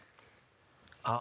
あっ。